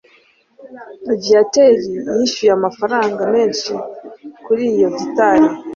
viateur yishyuye amafaranga menshi kuri iyo gitari